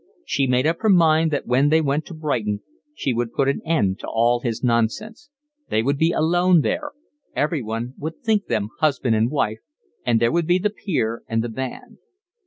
She made up her mind that when they went to Brighton she would put an end to all his nonsense; they would be alone there, everyone would think them husband and wife, and there would be the pier and the band.